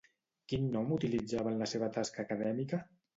Quin nom utilitzava en la seva tasca acadèmica?